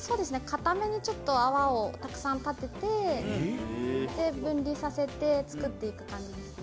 かために泡をたくさん立てて、分離させて作っていく感じですね。